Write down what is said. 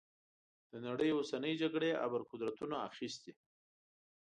د نړۍ اوسنۍ جګړې ابرقدرتونو اخیستي.